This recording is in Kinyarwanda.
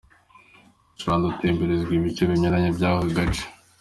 Miss Rwanda atemberezwa ibice binyuranye by'aka gace.